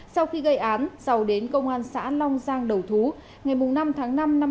sau khi gây án giàu đến công an xã long giang đầu thú ngày năm tháng năm năm hai nghìn hai mươi hai giàu bị khởi tố điều tra